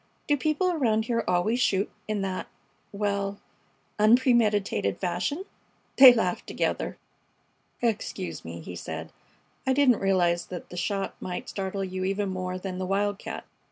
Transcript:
Do people around here always shoot in that well unpremeditated fashion?" They laughed together. "Excuse me," he said. "I didn't realize the shot might startle you even more than the wildcat.